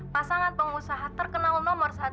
pasangan pengusaha terkenal nomor satu